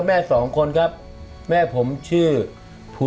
ไม่ต้องมาลูก